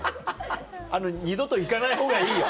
二度と行かないほうがいいよ。